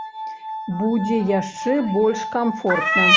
Будзе яшчэ больш камфортна!